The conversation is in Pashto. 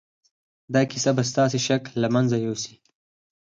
دا کیسه به ستاسې شک له منځه یوسي